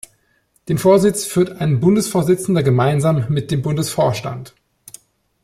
Den Vorsitz führt ein Bundesvorsitzender gemeinsam mit dem Bundesvorstand.